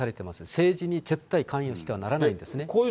政治に絶対関与してはならないんですね。